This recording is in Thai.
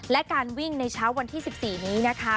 และการวิ่งในเช้าวันที่๑๔นี้นะคะ